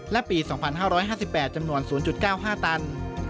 และปี๒๕๕๘จำนวน๐๙๕ตัน